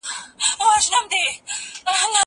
زه له سهاره کتابونه وړم!؟